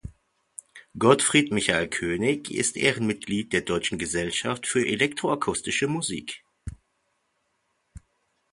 Gottfried Michael Koenig ist Ehrenmitglied der Deutschen Gesellschaft für Elektroakustische Musik.